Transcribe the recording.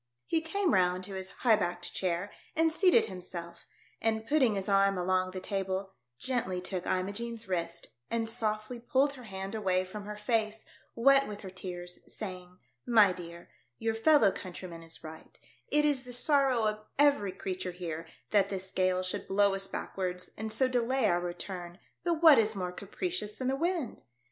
He came round to his high backed chair, and seated himself, and, putting his arm along the table, gently took Imogene's wrist, and softly pulled her hand away from her face, wet with her tears, saying, " My dear, your fellow countryman is right ; it is the sorrow of every creature here that this gale should blow us backwards, and so delay our return ; but vvhat is more capricious than the wind